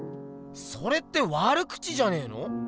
それって悪口じゃねえの？